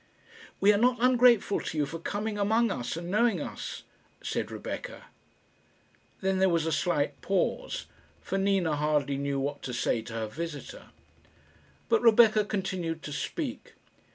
"We are not ungrateful to you for coming among us and knowing us," said Rebecca. Then there was a slight pause, for Nina hardly knew what to say to her visitor. But Rebecca continued to speak.